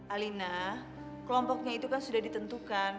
alina kelompoknya itu kan sudah ditentukan